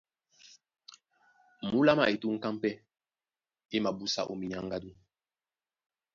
Múla má etrúkáŋ pɛ́ má mabúsá ó minyáŋgádú.